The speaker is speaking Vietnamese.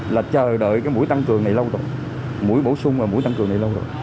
là chờ đợi cái mũi tăng cường này lâu rồi mũi bổ sung và mũi tăng cường này lâu rồi